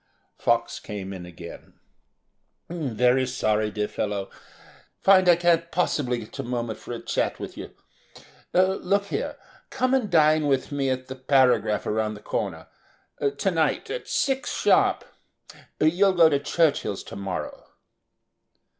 Fox came in again. "Very sorry, my dear fellow, find I can't possibly get a moment for a chat with you. Look here, come and dine with me at the Paragraph round the corner to night at six sharp. You'll go to Churchill's to morrow."